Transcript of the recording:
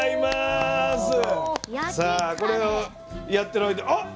さあこれをやってる間あ！